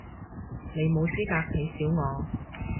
你冇資格睇小我